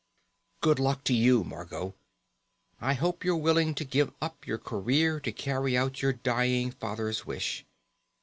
_ _Good luck to you, Margot. I hope you're willing to give up your career to carry out your dying father's wish.